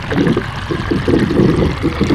সম্ভবত, তোমার কোনো বান্ধবীর।